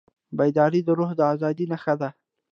بیداري د روح د ازادۍ نښه ده.